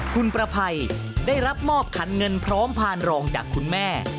คุณประภัยได้รับมอบขันเงินพร้อมผ่านรองจากคุณแม่